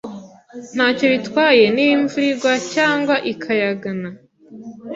Ntacyo bitwaye niba imvura igwa cyangwa ikayangana.